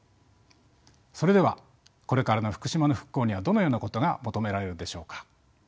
それではこれからの福島の復興にはどのようなことが求められるでしょうか？